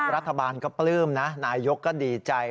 รัฐบาลก็ปลื้มนะนายกก็ดีใจ